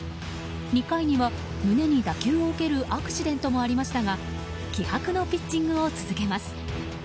２回には胸に打球を受けるアクシデントもありましたが気迫のピッチングを続けます。